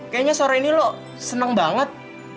kayaknya sore ini lo seneng banget